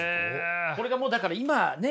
これがもうだから今ね